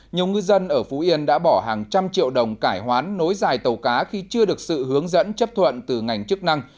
nhiều ngư dân ở phú yên đã bỏ hàng trăm triệu đồng cải hoán nối dài tàu cá khi chưa được sự hướng dẫn chấp thuận từ ngành chức năng